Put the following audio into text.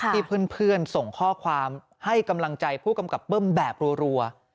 เพื่อนส่งข้อความให้กำลังใจผู้กำกับเบิ้มแบบรัว